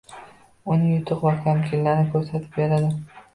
uning yutuq va kamchiliklarini ko‘rsatib beradi.